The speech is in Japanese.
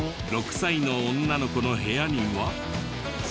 ６歳の女の子の部屋には。